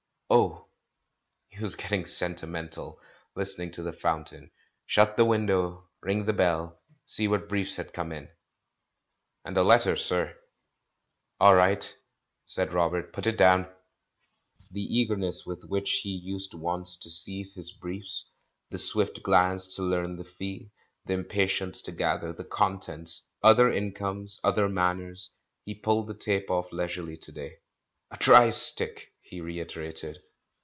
Oh! he was getting sentimental, listening to the fountain. Shut the window, ring the bell, see what briefs had come in ! "And a letter, sir." "All right," said Robert, "put it down." The eagerness with which he used once to seize his briefs — the swift glance to learn the fee, the impatience to gather the contents! Other in comes, other manners — he pulled the tape off leisurely to day. " 'A dry stick' !" he reiterated.